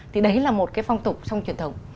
thì đấy là một cái phong tục trong truyền thống